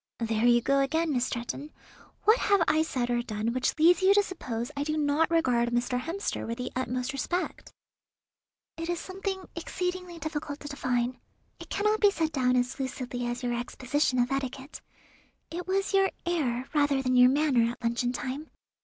"There you go again, Miss Stretton. What have I said or done which leads you to suppose I do not regard Mr. Hemster with the utmost respect?" "It is something exceedingly difficult to define. It cannot be set down as lucidly as your exposition of etiquette. It was your air, rather than your manner at luncheon time.